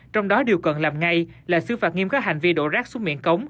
trong đó điều cần làm ngay là xứ phạt nghiêm các hành vi đổ rác xuống miệng cống